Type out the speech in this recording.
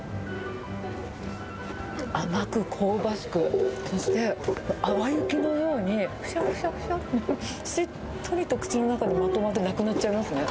甘く香ばしく、そして淡雪のように、しゅわしゅわしゅわっ、しっとりと口の中でまとまってなくなっちゃいますね。